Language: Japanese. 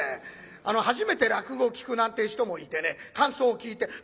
あの初めて落語を聴くなんてえ人もいてね感想を聞いて